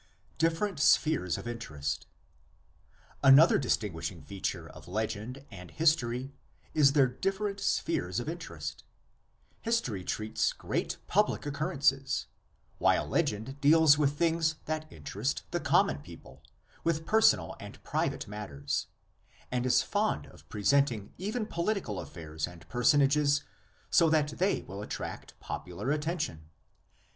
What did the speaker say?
DIFFERENT SPHERES OF INTEREST. Another distinguishing feature of legend and his tory is their different spheres of interest. History treats great public occurrences, while legend deals SIGNIFICANCE OF THE LEGENDS. 5 with things that interest the common people, with personal and private matters, and is fond of present ing even political affairs and personages so that they will attract popular attention.